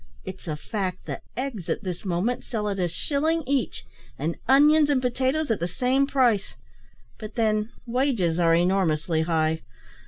It's a fact that eggs at this moment sell at a shilling each, and onions and potatoes at the same price; but then wages are enormously high.